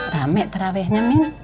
rame terawihnya min